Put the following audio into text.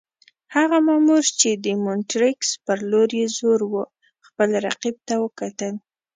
هغه مامور چې د مونټریکس پر لور یې زور وو، خپل رقیب ته وکتل.